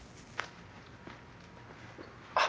あっ。